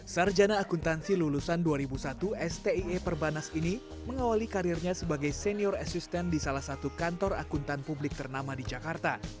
sarjana akuntansi lulusan dua ribu satu stie perbanas ini mengawali karirnya sebagai senior asisten di salah satu kantor akuntan publik ternama di jakarta